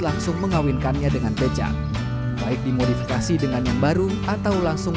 langsung mengawinkannya dengan becak baik dimodifikasi dengan yang baru atau langsung